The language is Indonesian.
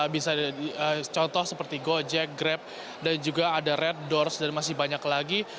bisa contoh seperti gojek grab dan juga ada red doors dan masih banyak lagi